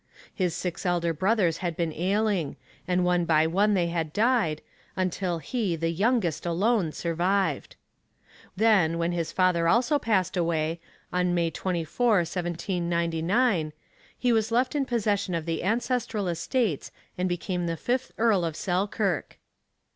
His six elder brothers had been ailing, and one by one they had died, until he, the youngest, alone survived. Then, when his father also passed away, on May 24, 1799, he was left in possession of the ancestral estates and became the fifth Earl of Selkirk.